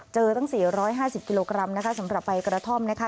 ตั้ง๔๕๐กิโลกรัมนะคะสำหรับใบกระท่อมนะคะ